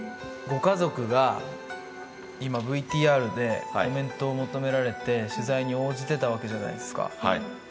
ご家族が今ＶＴＲでコメントを求められて取材に応じてたわけじゃないですか。